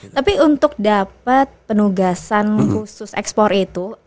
tapi untuk dapat penugasan khusus ekspor itu